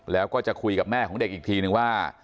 แล้วก็จะคุยกับแม่ของเด็กอีกทีนึงว่า